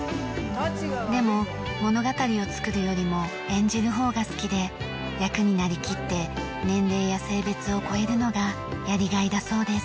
でも物語をつくるよりも演じる方が好きで役になりきって年齢や性別を超えるのがやりがいだそうです。